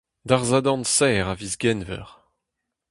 D'ar Sadorn seizh a viz Genver.